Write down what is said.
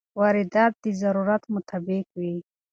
واردات د ضرورت مطابق وي.